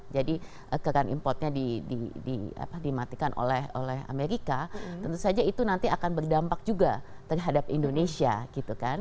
jadi karena importnya dimatikan oleh amerika tentu saja itu nanti akan berdampak juga terhadap indonesia gitu kan